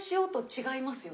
違います。